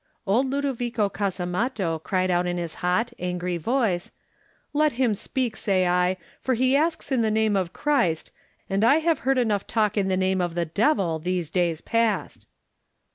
Old Ludovico Casamatto cried out in his hot, angry voice, "Let him speak, say I, for he asks in the name of Christ, and I have heard enough talk in the name of the devil these days past!"